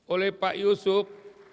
oleh pak yusuf